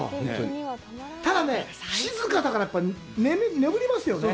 ただね、静かだから、眠りますよね。